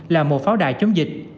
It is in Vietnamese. là một pháo đài chống dịch